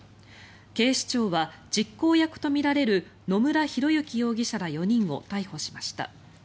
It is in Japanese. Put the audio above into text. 警視庁は実行役とみられる野村広之容疑者ら４人を逮捕しました。